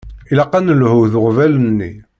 Ilaq ad d-nelhu d uɣbel-nni.